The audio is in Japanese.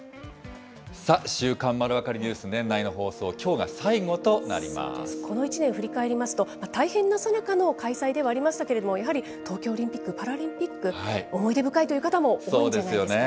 さあ、週刊まるわかりニュース、年内の放送、きょうが最後とこの１年振り返りますと、大変なさなかの開催ではありましたけれども、やはり東京オリンピック・パラリンピック、思い出深いという方も多いんじゃないでしょ